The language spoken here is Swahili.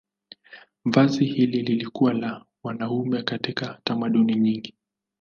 Vazi hili lilikuwa la wanaume katika tamaduni nyingi.